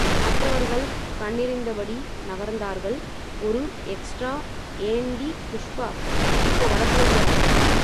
மற்றவர்கள் கண்ணெறிந்தபடி நகர்ந்தார்கள், ஒரு எக்ஸ்ட்ரா ஏண்டி புஷ்பா, இப்ப வரப்போறியா?